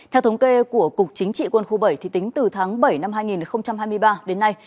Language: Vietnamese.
theo thống kê của cục chính trị quân khu bảy tính từ tháng bảy năm hai nghìn hai mươi ba đến nay